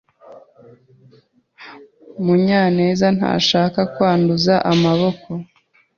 Munyanezntashaka kwanduza amaboko.